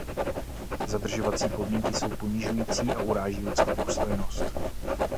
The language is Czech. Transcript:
Zadržovací podmínky jsou ponižující a uráží lidskou důstojnost.